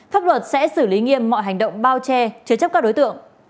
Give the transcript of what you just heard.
pháp luật sẽ xử lý nghiêm mọi hành động bao che chứa chấp các đối tượng